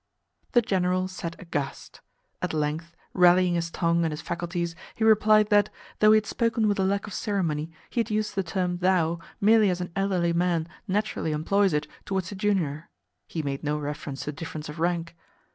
The General sat aghast. At length, rallying his tongue and his faculties, he replied that, though he had spoken with a lack of ceremony, he had used the term "thou" merely as an elderly man naturally employs it towards a junior (he made no reference to difference of rank).